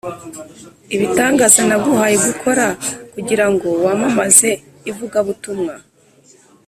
ibitangaza naguhaye gukora kugira ngo wamamaze ivugabutumwa